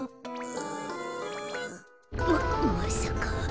ままさか。